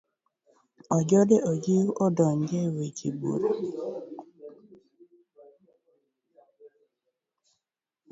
Ojende ojiw odonj e weche bura.